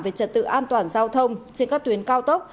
về trật tự an toàn giao thông trên các tuyến cao tốc